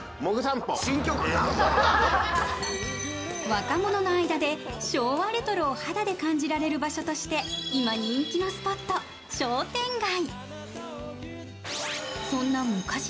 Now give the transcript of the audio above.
若者の間で昭和レトロを肌で感じられる場所として今、人気のスポット・商店街。